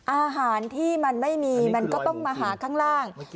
อาหารที่มันไม่มีมันก็ต้องมาหาข้างล่าง